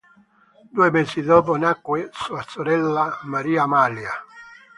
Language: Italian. Due mesi dopo nacque sua sorella Maria Amalia.